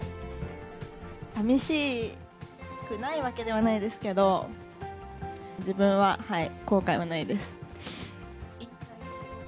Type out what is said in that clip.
さみしくないわけではないですけど、自分は後悔はないです。